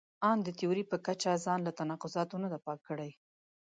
ان د تیوري په کچه ځان له تناقضاتو نه دی پاک کړی.